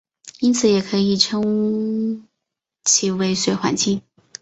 因此也可以称其为水环境。